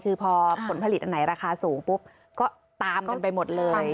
คือพอผลผลิตอันไหนราคาสูงปุ๊บก็ตามกันไปหมดเลย